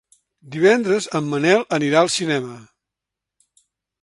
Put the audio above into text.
Divendres en Manel anirà al cinema.